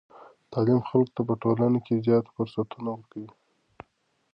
تعلیم خلکو ته په ټولنه کې زیاتو فرصتونو ورکوي.